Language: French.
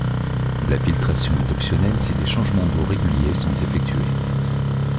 La filtration est optionnelle si des changements d'eau réguliers sont effectués.